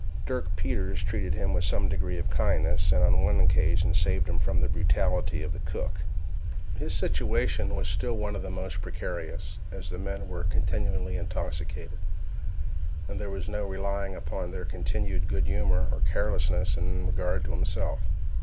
Dirk Peters treated him with some degree of kindness, and on one occasion saved him from the brutality of the cook. His situation was still one of the most precarious, as the men were continually intoxicated, and there was no relying upon their continued good humor or carelessness in regard to himself.